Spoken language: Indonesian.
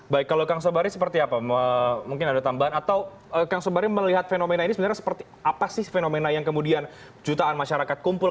baik kalau kang sobari seperti apa mungkin ada tambahan atau kang sobari melihat fenomena ini sebenarnya seperti apa sih fenomena yang kemudian jutaan masyarakat kumpul